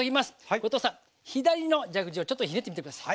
後藤さん左の蛇口をちょっとひねってみて下さい。